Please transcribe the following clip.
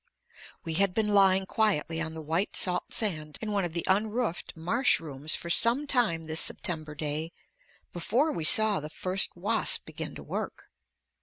We had been lying quietly on the white salt sand in one of the unroofed marsh rooms for some time this September day before we saw the first wasp begin to work.